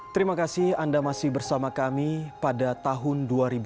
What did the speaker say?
terima kasih anda masih bersama kami pada tahun dua ribu dua puluh